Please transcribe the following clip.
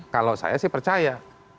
kalau saya sih percaya